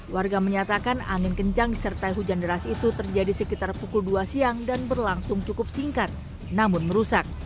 warga menyatakan angin kencang disertai hujan deras itu terjadi sekitar pukul dua siang dan berlangsung cukup singkat namun merusak